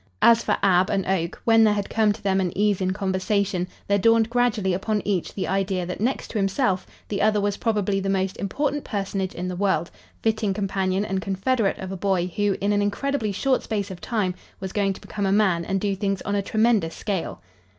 As for Ab and Oak, when there had come to them an ease in conversation, there dawned gradually upon each the idea that, next to himself, the other was probably the most important personage in the world, fitting companion and confederate of a boy who in an incredibly short space of time was going to become a man and do things on a tremendous scale.